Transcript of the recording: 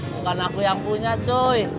bukan aku yang punya join